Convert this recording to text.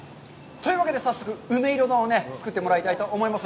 というわけで早速「梅彩丼」を作ってもらいたいと思います。